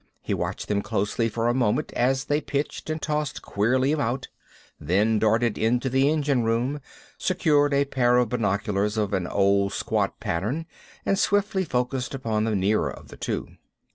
He watched them closely for a moment as they pitched and tossed queerly about; then darted into the engine room, secured a pair of binoculars of an old, squat pattern, and swiftly focused upon the nearer of the two.